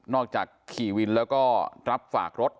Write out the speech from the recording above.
นอกจากขี่วินแล้วก็ตรับฝากรถ